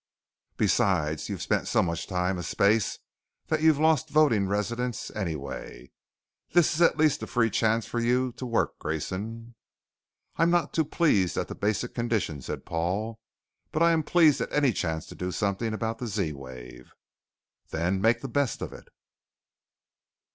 Besides you've spent so much time a space that you've lost voting residence anyway. This is at least a free chance for you to work, Grayson." "I'm not too pleased at the basic conditions," said Paul, "but I am pleased at any chance to do something about the Z wave." "Then make the best of it."